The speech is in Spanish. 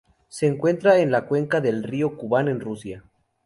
Se encuentra en la cuenca del río Kuban, en Rusia.